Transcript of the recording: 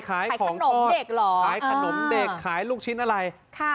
ขายของเด็กเหรอขายขนมเด็กขายลูกชิ้นอะไรค่ะ